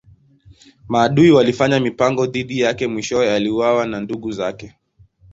Maadui walifanya mipango dhidi yake mwishowe aliuawa na ndugu zake.